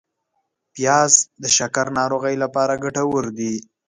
پیاز د شکر ناروغۍ لپاره ګټور دی